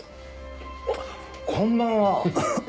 あっこんばんは！